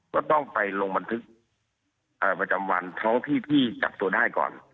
ก็ต้องไปลงบันทึกประจำวันท้องที่ที่จับตัวได้ก่อน